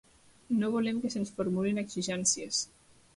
No volem que se'ns formulin exigències.